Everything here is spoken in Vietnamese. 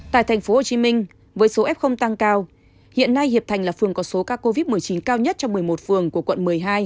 tại tp hcm với số f tăng cao hiện nay hiệp thành là phường có số ca covid một mươi chín cao nhất trong một mươi một phường của quận một mươi hai